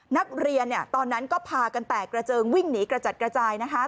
นักเรียนตอนนั้นก็พากันแตกกระเจิงวิ่งหนีกระจัดกระจายนะคะ